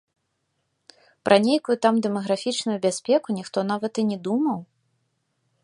Пра нейкую там дэмаграфічную бяспеку ніхто нават і не думаў.